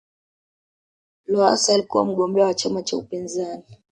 lowasa alikuwa mgombea wa chama cha upinzani